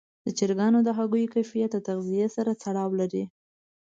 د چرګانو د هګیو کیفیت د تغذیې سره تړاو لري.